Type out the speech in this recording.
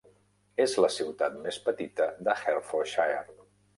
És la ciutat més petita de Hertfordshire.